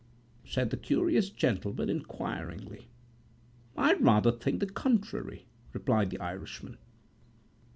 said the curious gentleman, inquiringly."I rather think the contrary," replied the Irishman.